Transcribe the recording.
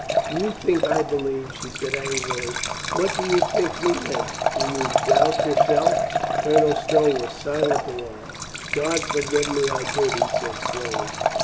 "Do you think I believed?" she said angrily. "What do you think me then ? Did you doubt your self?" Colonel Stow was silent a while. "God forgive me, I did," he said slowly.